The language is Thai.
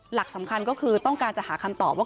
หลักสำคัญก็คือต้องการจะหาคำตอบว่า